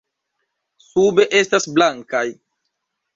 Sube estas blankaj.